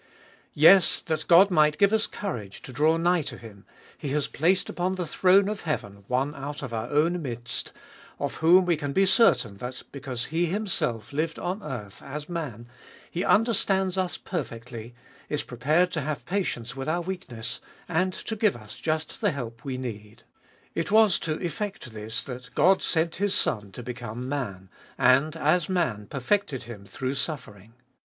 Yes, that God might give us courage to draw nigh to Him, He has placed upon the throne of heaven one out of our own midst, of whom we can be certain that, because He Himself lived on earth as man, He under stands us perfectly, is prepared to have patience with our weakness, and to give us just the help we need. It was to effect this that God sent His Son to become Man, and as Man perfected Him through suffering.